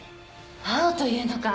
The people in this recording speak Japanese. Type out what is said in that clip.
青というのか。